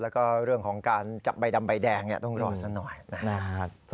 แล้วก็เรื่องของการจับใบดำใบแดงต้องรอสักหน่อยนะครับ